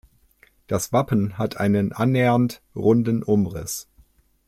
Das Wappen hat einen annähernd runden Umriss.